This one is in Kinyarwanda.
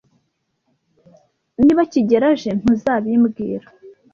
Niba kigeli aje, ntuzabimbwira?